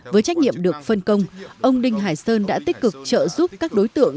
với trách nhiệm được phân công ông đinh hải sơn đã tích cực trợ giúp các đối tượng